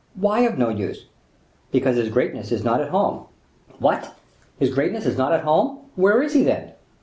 "Why of no use?" "Because His Greatness is not at home." "What! His Greatness is not at home? where is he, then?"